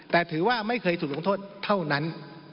แต่ถือว่าไม่เคยถูกลงโทษเท่านั้น